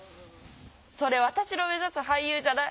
それ私の目指す俳優じゃない。